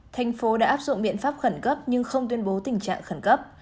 thành phố đã áp dụng biện pháp khẩn cấp nhưng không tuyên bố tình trạng khẩn cấp